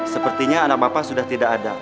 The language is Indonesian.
sepertinya anak bapak sudah tidak ada